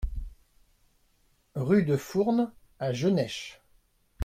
Rue de Fournes à Genech